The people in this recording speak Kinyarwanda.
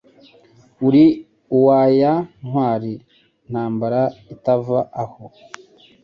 Uri uwa ya ntwari Ntambara itava ho